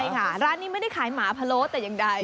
ใช่ค่ะร้านนี้ไม่ได้ขายหมาพะโล้แต่อย่างใด